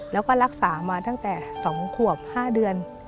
แล้วก็รักษามาตั้งแต่๒ขวบ๕เดือน